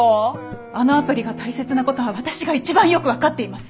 あのアプリが大切なことは私が一番よく分かっています！